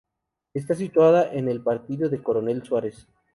Está situada en el partido de Coronel Suárez.